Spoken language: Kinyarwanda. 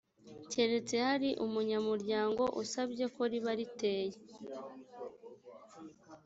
keretse hari umunyamuryango usabye ko riba riteye